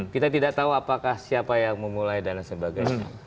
kita tidak tahu apakah siapa yang memulai dan lain sebagainya